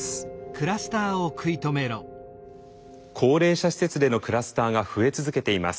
高齢者施設でのクラスターが増え続けています。